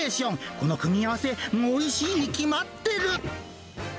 この組み合わせ、おいしいに決まってる。